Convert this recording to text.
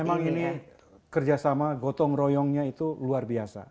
memang ini kerjasama gotong royongnya itu luar biasa